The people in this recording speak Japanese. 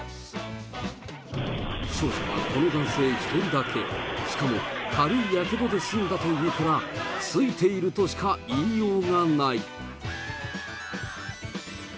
負傷者はこの男性１人だけ、しかも軽いやけどで済んだというから、ついているとしか言いようがない。